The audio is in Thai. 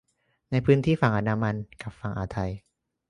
ในพื้นที่ฝั่งอันดามันกับฝั่งอ่าวไทย